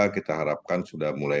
kita harapkan sudah berhasil